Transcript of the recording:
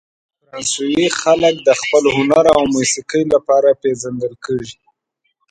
فرانسوي خلک د خپل هنر او موسیقۍ لپاره پېژندل کیږي.